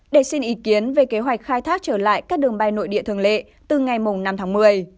để xin ý kiến về kế hoạch khai thác trở lại các đường bay nội địa thường lệ từ ngày năm tháng một mươi